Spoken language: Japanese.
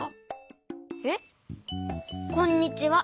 えっ？こんにちは。